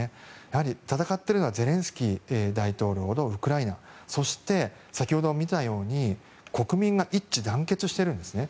やはり戦っているのはゼレンスキー大統領とウクライナそして、先ほど見たように国民が一致団結しているんですね。